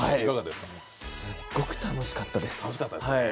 すっごく楽しかったです。